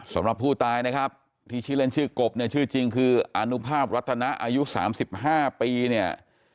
สำหรับผู้ตายที่เล่นชื่อกบชื่อจริงคืออานุภาพรัตนาอายุ๓๕ปี